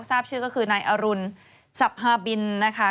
ทราบชื่อก็คือนายอรุณสับฮาบินนะคะ